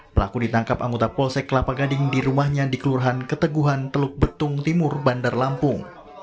pelaku ditangkap anggota polsek kelapa gading di rumahnya di kelurahan keteguhan teluk betung timur bandar lampung